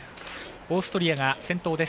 オーストリアが先頭。